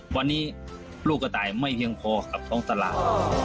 วันนี้ลูกกระต่ายไม่เพียงพอกับท้องตลาด